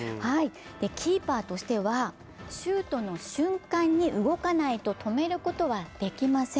キーパーとしてはシュートの瞬間に動かないと止めることはできません。